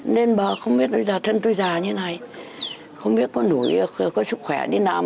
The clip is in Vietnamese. lên bờ không biết là thân tôi già như này không biết có sức khỏe đi nào mà kiếm ngày năm bảy chục để vừa ăn vừa tiền nhà không